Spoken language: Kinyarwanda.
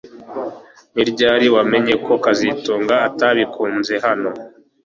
Ni ryari wamenye ko kazitunga atabikunze hano